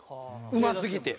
うますぎて。